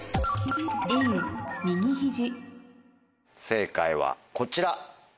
正解はこちら。